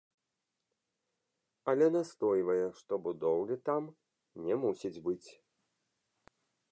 Але настойвае, што будоўлі там не мусіць быць.